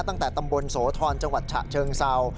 ตั้งแต่ตำบลโสธรจังหวัดฉะเชิงเศร้า